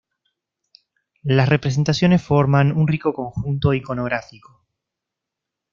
Las representaciones forman un rico conjunto iconográfico.